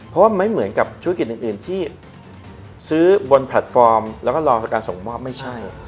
เพราะว่าไม่เหมือนกับธุรกิจอื่นที่ซื้อบนแพลตฟอร์มแล้วก็รอการส่งมอบไม่ใช่